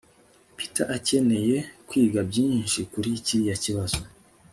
peter akeneye kwiga byinshi kuri kiriya kibazo